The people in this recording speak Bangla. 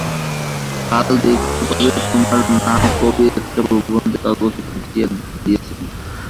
কাল দেখতে পাবে তোমার নাম করে একটা প্রবন্ধ কাগজে পাঠিয়ে দিয়েছি।